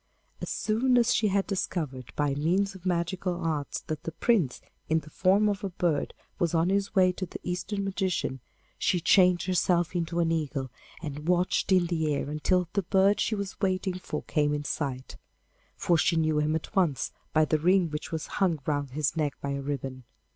As soon as she had discovered by means of magical arts that the Prince in the form of a bird was on his way to the Eastern magician, she changed herself into an eagle and watched in the air until the bird she was waiting for came in sight, for she knew him at once by the ring which was hung round his neck by a ribbon.